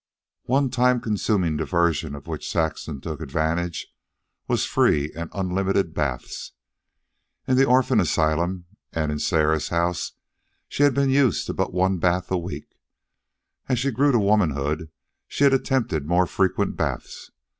One time consuming diversion of which Saxon took advantage was free and unlimited baths. In the orphan asylum and in Sarah's house she had been used to but one bath a week. As she grew to womanhood she had attempted more frequent baths.